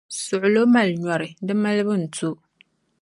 Suɣulo mali nyɔri, di malibu n-to.